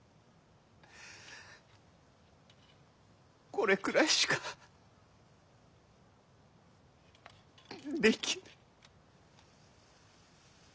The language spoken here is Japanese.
これくらいしかできぬ。